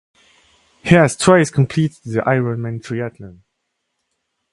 He has twice completed the Ironman Triathlon.